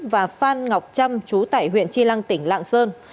và phan ngọc trâm chú tại huyện chi lăng tỉnh lạng sơn